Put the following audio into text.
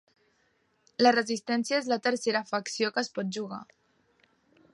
La Resistència és la tercera facció que es pot jugar.